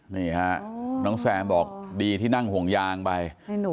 นี่ฮะน้องแซมบอกดีที่นั่งห่วงยางไป